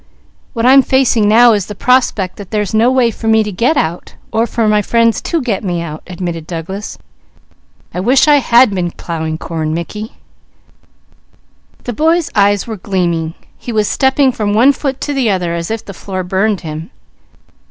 "What I'm facing now is the prospect that there's no way for me to get out, or for my friends to get me out," admitted Douglas. "I wish I had been plowing corn." The boy's eyes were gleaming. He was stepping from one foot to the other as if the floor burned him.